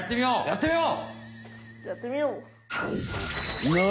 やってみよう！